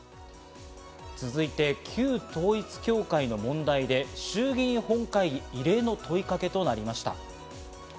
続いて旧統一教会の問題で衆議院本会議、異例の問いかけとなりました。